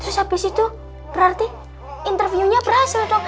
terus habis itu berarti interviewnya berhasil dok